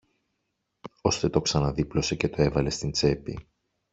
ώστε το ξαναδίπλωσε και το έβαλε στην τσέπη.